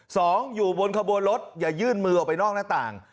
สองอยู่บนขบวนรถอย่ายื่นมือออกไปนอกหน้าต่าง